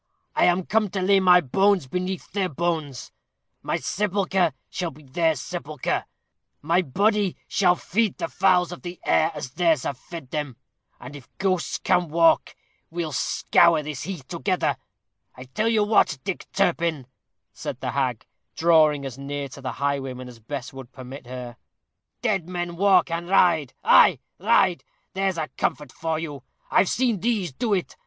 I am come to lay my bones beneath their bones my sepulchre shall be their sepulchre; my body shall feed the fowls of the air as theirs have fed them. And if ghosts can walk, we'll scour this heath together. I tell you what, Dick Turpin," said the hag, drawing as near to the highwayman as Bess would permit her; "dead men walk and ride ay, ride! there's a comfort for you. I've seen these do it.